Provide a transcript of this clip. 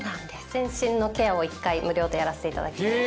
全身のケアを１回無料でやらせていただきます。